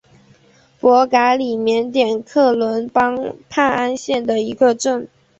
博嘎里缅甸克伦邦帕安县的一个镇。